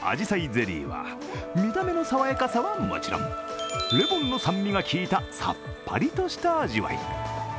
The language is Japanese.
ゼリーは見た目のさわやかさは持ち、レモンの酸味がきいたさっぱりとした味わい。